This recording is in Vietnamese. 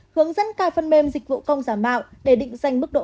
hướng dẫn cài phân mêm dịch vụ công giả mạo để định danh mức độ hai